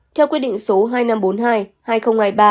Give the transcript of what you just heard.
theo quyết định số hai nghìn năm trăm bốn mươi hai